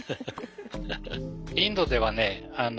インドではね